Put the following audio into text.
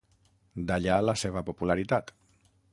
D'allà la seva popularitat.